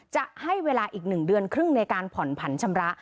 จะให้เวลาอีก๑เดือนครึ่งในการผ่อนผันชำระ